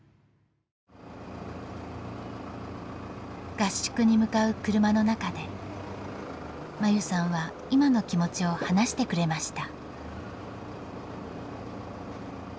合宿に向かう車の中で真優さんは今の気持ちを話してくれました。